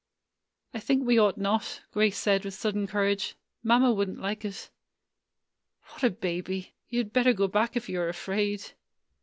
"I think we ought not," Grace said with sudden courage. "Mamma would n't like it." "What a baby! You had better go back if you are afraid."